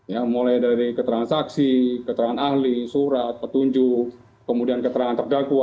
ya mulai dari keterangan saksi keterangan ahli surat petunjuk kemudian keterangan terdakwa